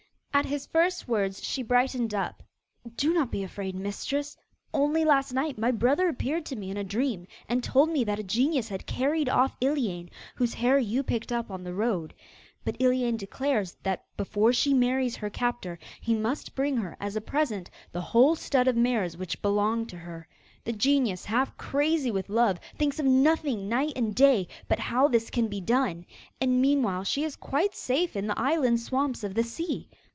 At his first words she brightened up. 'Do not be afraid, mistress; only last night my brother appeared to me in a dream and told me that a genius had carried off Iliane, whose hair you picked up on the road. But Iliane declares that, before she marries her captor, he must bring her, as a present, the whole stud of mares which belong to her. The genius, half crazy with love, thinks of nothing night and day but how this can be done, and meanwhile she is quite safe in the island swamps of the sea.